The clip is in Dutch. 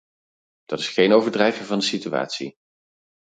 Dat is geen overdrijving van de situatie.